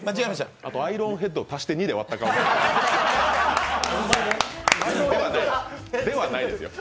あと、アイロンヘッドを足して２で割った顔ですが、ではないです。